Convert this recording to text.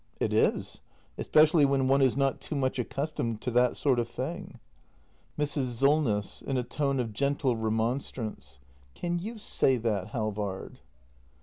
It is. Especially when one is not too much accustomed to that sort of thing. act i] THE MASTER BUILDER 269 Mrs. Solness. [In a tone of gentle remonstrance.] Can you say that, Halvard